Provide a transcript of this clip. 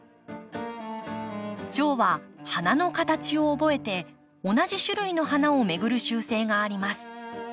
チョウは花の形を覚えて同じ種類の花を巡る習性があります。